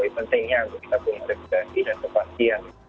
pentingnya untuk kita pun meresponsi dan kepastian